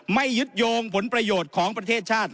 ไม่ยึดโยงผลประโยชน์ของประเทศชาติ